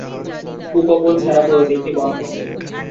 উপকূল ছাড়া পুরো দ্বীপটি বনভূমি।